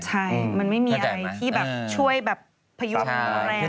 ใช่มันไม่มีอะไรที่ช่วยพยุงแรงอะไรไว้ให้เลย